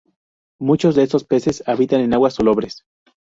Muchos de estos peces habitan en aguas salobres.